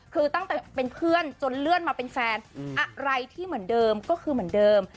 คือตั้งแต่เป็นเพื่อนจนเลื่อนมาเป็นแฟนอะไรที่เหมือนเดิมก็คือเหมือนเดิม